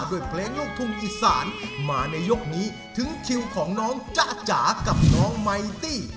ด้วยเพลงลูกทุ่งอีสานมาในยกนี้ถึงคิวของน้องจ๊ะจ๋ากับน้องไมตี้